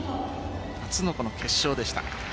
初の決勝でした。